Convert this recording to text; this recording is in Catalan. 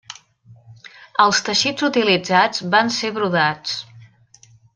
Els teixits utilitzats van ser brodats.